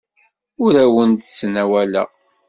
Ur awen-d-ttnawaleɣ.